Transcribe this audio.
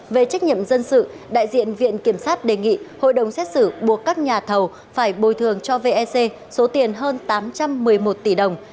về trách nhiệm dân sự đại diện viện kiểm sát đề nghị hội đồng xét xử buộc các nhà thầu phải bồi thường cho vec số tiền hơn tám trăm một mươi một tỷ đồng